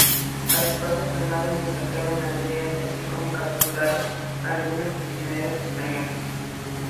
A su paso quemaron y saquearon aldeas, así como capturaron algunos prisioneros españoles.